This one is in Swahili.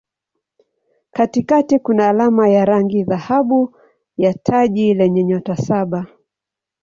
Katikati kuna alama ya rangi dhahabu ya taji lenye nyota saba.